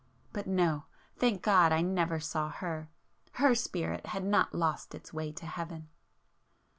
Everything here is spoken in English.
But no!—thank God I never saw her!——her spirit had not lost its way to Heaven!